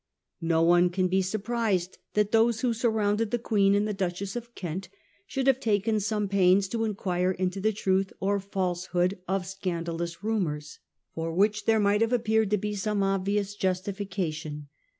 No one can be surprised that those who surrounded the Queen and the Duchess of Kent should have taken some pains to inquire into the truth or falsehood of scandalous rumours, for 1839. LADY FLORA HASTINGS. 141 which there might have appeared to be some obvious justification.